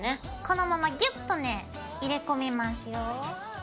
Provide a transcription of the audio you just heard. このままギュッとね入れ込みますよ。